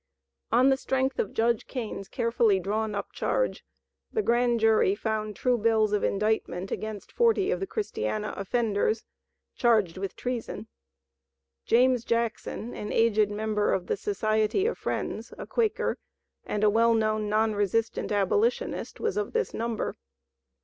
On the strength of Judge Kane's carefully drawn up charge the Grand Jury found true bills of indictment against forty of the Christiana offenders, charged with treason. James Jackson, an aged member of the Society of Friends (a Quaker), and a well known non resistant abolitionist, was of this number.